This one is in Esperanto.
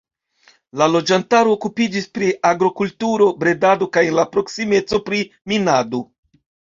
La loĝantaro okupiĝis pri agrokulturo, bredado kaj en la proksimeco pri minado.